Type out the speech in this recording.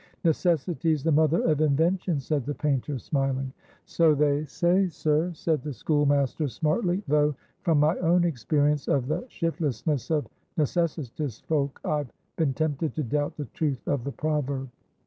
"Necessity's the mother of invention," said the painter, smiling. "So they say, sir," said the schoolmaster, smartly; "though, from my own experience of the shiftlessness of necessitous folk, I've been tempted to doubt the truth of the proverb."